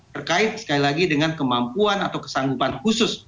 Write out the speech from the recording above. terkait sekali lagi dengan kemampuan atau kesanggupan khusus